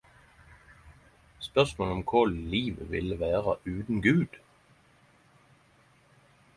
Spørsmålet om kva livet ville vere utan Gud?